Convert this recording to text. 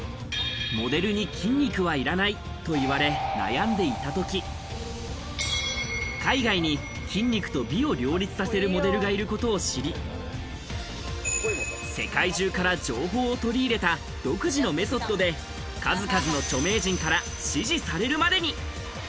モデルに筋肉はいらないと言われ悩んでいたとき、海外に筋肉と美を両立させるモデルがいることを知り、世界中から情報を取り入れた独自のメソッドで数々の著名人から支持されるまでに。